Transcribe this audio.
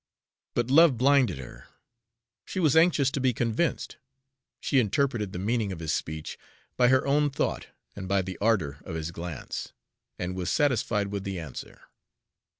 But love blinded her. She was anxious to be convinced. She interpreted the meaning of his speech by her own thought and by the ardor of his glance, and was satisfied with the answer.